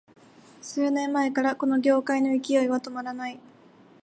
数年前からこの業界の勢いは止まらない